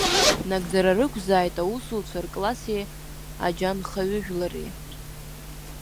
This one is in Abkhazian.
Нагӡара рықәзааит аусуцәа ркласси аџьанхаҩыжәлари!